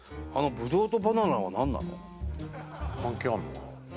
関係あんのかな？